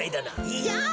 いや。